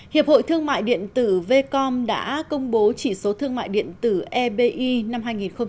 hiệp hội thương mại điện tử vcom đã công bố chỉ số thương mại điện tử ebi năm hai nghìn một mươi chín